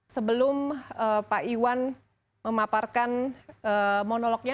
sebelum pak iwan memaparkan monolognya